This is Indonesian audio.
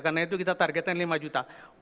karena itu kita targetkan lima juta orang